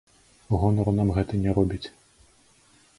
Гонару нам гэта не робіць.